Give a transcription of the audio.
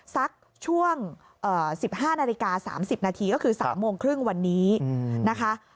สักช่วง๑๕นาฬิกา๓๐นาทีก็คือ๓โมงครึ่งวันนี้นะคะ